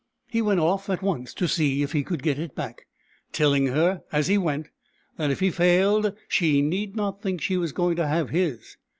He went off at once to see if he could get it back, telling her as he went that if he failed, she need not think she was going to have his.